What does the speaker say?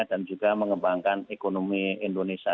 dan juga mengembangkan ekonomi indonesia